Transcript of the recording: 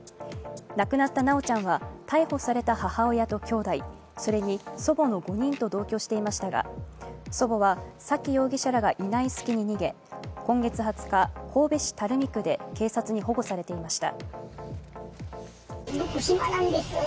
亡くなった修ちゃんは逮捕された母親ときょうだい、それに祖母の５人と同居していましたが、祖母は沙喜容疑者らがいない隙に逃げ、今月２０日、神戸市垂水区で警察に保護されていました。